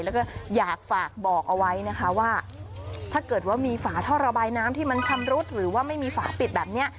แล้วก็อยากฝากบอกเอาไว้นะคะว่าถ้าเกิดว่ามีฝาท่อระบายน้ำที่มันชำรุดหรือว่าไม่มีฝาปิดแบบนี้